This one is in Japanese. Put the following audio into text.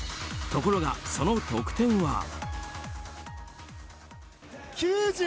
ところが、その得点は。